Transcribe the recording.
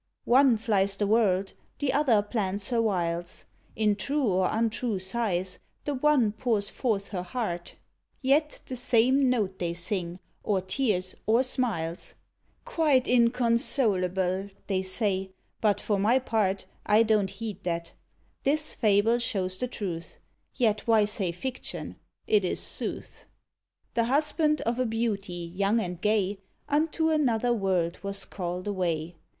One flies the world, the other plans her wiles; In true or untrue sighs the one pours forth her heart, [Illustration: THE YOUNG WIDOW.] Yet the same note they sing, or tears or smiles "Quite inconsolable," they say; but, for my part, I don't heed that. This fable shows the truth: Yet why say fiction? it is sooth. The husband of a beauty, young and gay, Unto another world was call'd away.